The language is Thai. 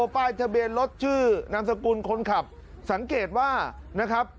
ป้ายทะเบียนรถชื่อนามสกุลคนขับสังเกตว่านะครับ